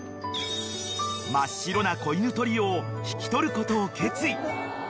［真っ白な子犬トリオを引き取ることを決意］